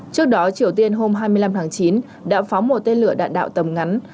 trước đó triều tiên hôm hai mươi năm tháng chín đã phóng một tên lửa đạn đạo tầm ngắn